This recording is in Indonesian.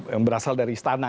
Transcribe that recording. yang berasal dari istana